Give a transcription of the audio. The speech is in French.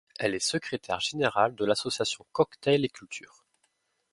Elle est secrétaire générale de l'association Cocktail & Culture.